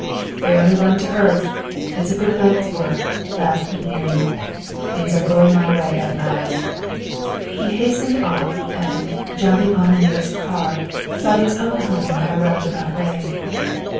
"Fairly run to earth! It's a good night's work!" laughed McNerney. "Things are going my way at last!" He hastened off and, jumping on the nearest car, sought his own home by a round about way.